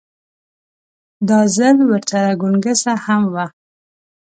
دا ځل ورسره ګونګسه هم وه.